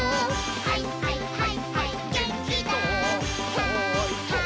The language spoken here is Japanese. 「はいはいはいはいマン」